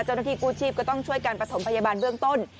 จนทีกูชีพก็ต้องช่วยกันประถมพยาบาลเบื้องต้น